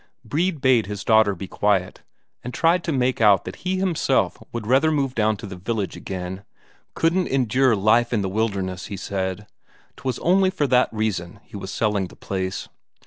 Brede bade his daughter be quiet, and tried to make out that he himself would rather move down to the village again; couldn't endure life in the wilderness, he said 'twas only for that reason he was selling the place.